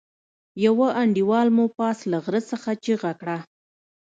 يوه انډيوال مو پاس له غره څخه چيغه کړه.